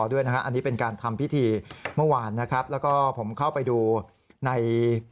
ด้วยนะฮะอันนี้เป็นการทำพิธีเมื่อวานนะครับแล้วก็ผมเข้าไปดูใน